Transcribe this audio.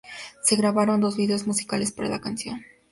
Se grabaron dos vídeos musicales para la canción.